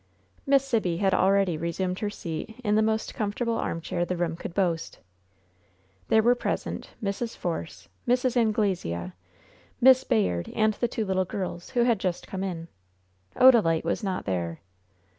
Miss Sibby had already resumed her seat in the most comfortable armchair the room could boast. There were present Mrs. Force, Mrs. Anglesea, Miss Bayard and the two little girls, who had just come in. Odalite was not there.